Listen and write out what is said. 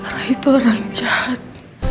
rai itu orang jahat